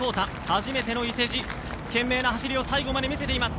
初めての伊勢路懸命の走りを最後まで見せています。